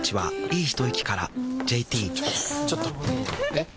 えっ⁉